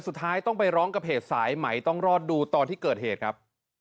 สุดท้ายต้องไปร้องกับเพจสายไหมต้องรอดดูตอนที่เกิดเหตุครับ